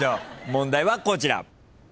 問題はこちら。